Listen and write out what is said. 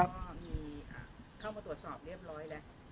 ก็มีเข้ามาตรวจสอบเรียบร้อยแล้ว